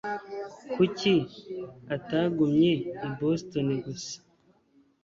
Kuki atagumye i Boston gusa?